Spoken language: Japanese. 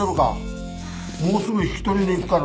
もうすぐ引き取りに行くからな。